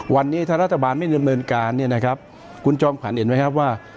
วันนี้ถ้ารัฐบาลไม่ดำเนินการเนี่ยนะครับคุณจอมขวัญเห็นไหมครับว่า